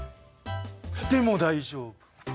でも大丈夫！